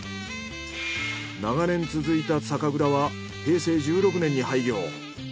長年続いた酒蔵は平成１６年に廃業。